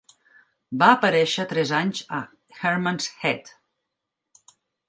Va aparèixer tres anys a "Herman's Head".